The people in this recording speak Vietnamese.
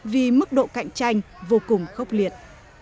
vì mức độ cạnh tranh vô cùng khốc liệt